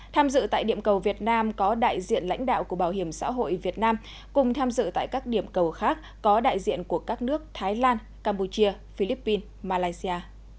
tham dự tại điểm cầu việt nam có đại diện lãnh đạo của bảo hiểm xã hội việt nam cùng tham dự tại các điểm cầu khác có đại diện của các nước thái lan campuchia philippines malaysia